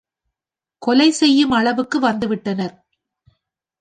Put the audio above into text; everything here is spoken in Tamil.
கொலை செய்யும் அளவுக்கு வந்துவிட்டனர்.